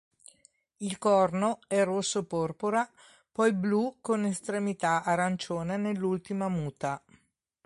Il corno è rosso porpora, poi blu con estremità arancione nell'ultima muta.